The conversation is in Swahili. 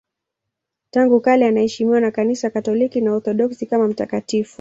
Tangu kale anaheshimiwa na Kanisa Katoliki na Waorthodoksi kama mtakatifu.